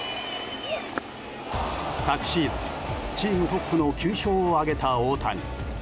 昨シーズン、チームトップの９勝を挙げた大谷。